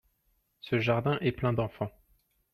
Ce jardin est plein d'enfants.